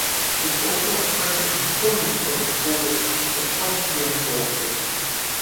It is also a critical component of the sport of equestrian vaulting.